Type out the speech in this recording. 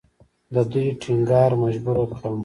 د دوی ټینګار مجبوره کړم.